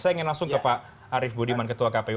saya ingin langsung ke pak arief budiman ketua kpu